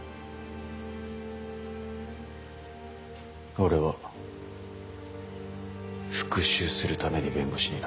俺は復讐するために弁護士になった。